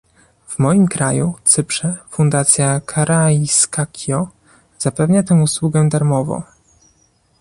W moim kraju, Cyprze, Fundacja Karaiskakio zapewnia tę usługę darmowo